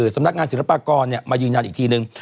สำนักงานศิลปากรมายืนยันอีกทีนึง